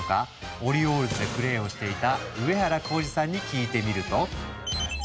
オリオールズでプレーをしていた上原浩治さんに聞いてみると。